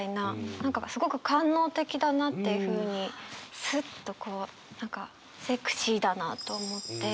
何かすごく官能的だなっていうふうにスッとこう何かセクシーだなと思って。